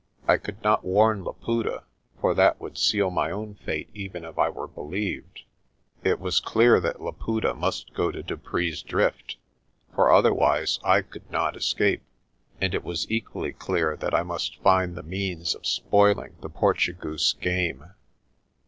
I could not warn Laputa, for that would seal my own fate even if I were believed. It was clear that Laputa must go to Dupree's Drift, for otherwise I could not escape; and it was equally clear that I must find the means of spoiling the Portugoose's game.